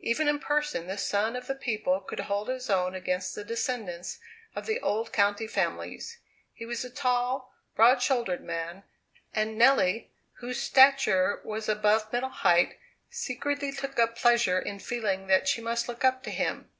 Even in person this son of the people could hold his own against the descendants of the old county families. He was a tall, broad shouldered man; and Nelly, whose stature was above middle height, secretly took a pleasure in feeling that she must look up to him.